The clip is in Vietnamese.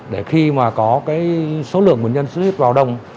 để khi có số lượng bệnh nhân xuất huyết vào đông